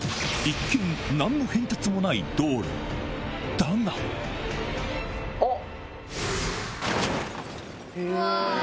だがあっ！